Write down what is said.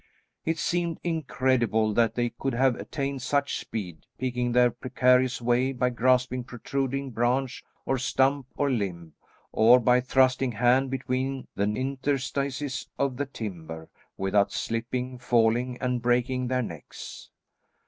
It seemed incredible that they could have attained such speed, picking their precarious way by grasping protruding branch or stump or limb, or by thrusting hand between the interstices of the timber, without slipping, falling and breaking their necks.